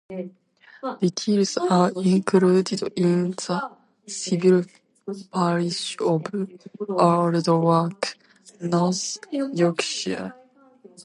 Details are included in the civil parish of Aldwark, North Yorkshire.